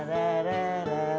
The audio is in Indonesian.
salam sama emak